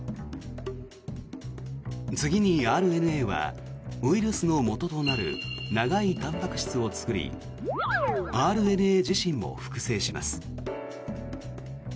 次にＲＮＡはウイルスのもととなる長いたんぱく質を作りＲＮＡ自身も複製します。